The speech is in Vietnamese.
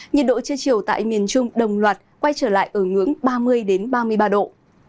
nhiệt độ trên chiều tại miền trung đồng loạt quay trở lại ở ngưỡng ba mươi ba mươi ba độ